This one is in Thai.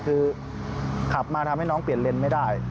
คือขับมาทำให้น้องเปลี่ยนเลนส์ไม่ได้